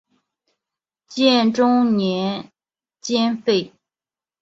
建中年间废。